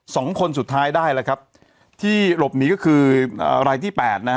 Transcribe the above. สองคนสุดท้ายได้แล้วครับที่หลบหนีก็คือรายที่แปดนะฮะ